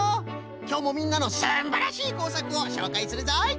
きょうもみんなのすんばらしいこうさくをしょうかいするぞい！